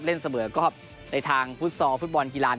แต่แน่นอนครับเกมนี้นะครับเล่นเสมอก็ในทางฟุตซอลฟุตบอลกีฬาน